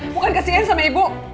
bukan kesian sama ibu